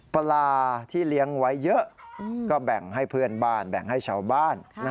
ปลาที่เลี้ยงไว้เยอะก็แบ่งให้เพื่อนบ้านแบ่งให้ชาวบ้าน